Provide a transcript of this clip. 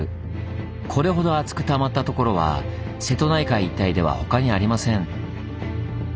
これほど厚くたまったところは瀬戸内海一帯では他にありません。